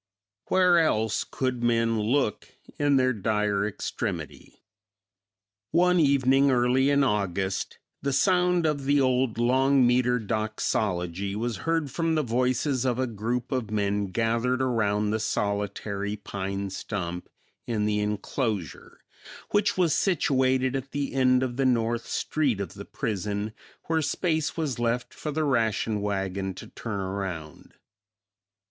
Where else could men look in their dire extremity? One evening early in August the sound of the old long metre doxology was heard from the voices of a group of men gathered around the solitary pine stump in the enclosure, which was situated at the end of the north street of the prison where space was left for the ration wagon to turn around.